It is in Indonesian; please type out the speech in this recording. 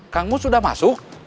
kang mus sudah masuk